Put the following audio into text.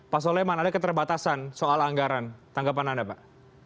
pak soleman ada keterbatasan soal anggaran tanggapan anda pak